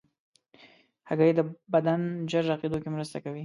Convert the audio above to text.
هګۍ د بدن ژر رغېدو کې مرسته کوي.